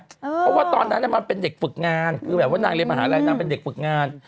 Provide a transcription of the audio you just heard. เพราะว่าตอนนั้นมันเป็นเด็กฝึกงานคือแบบว่านางเรียนมหาลัยนางเป็นเด็กฝึกงาน